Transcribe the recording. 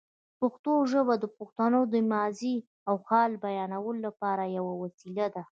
پښتو ژبه د پښتنو د ماضي او حال بیانولو لپاره یوه وسیله ده.